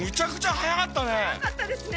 速かったですね。